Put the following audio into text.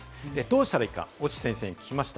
どうしたらいいか、越智先生に聞きました。